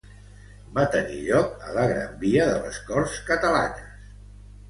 Va tenir lloc a la Gran Via de les Corts Catalanes.